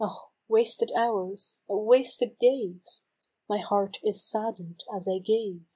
Oh ! wasted hours ! oh ! wasted days ! My heart is sadden'd as I gaze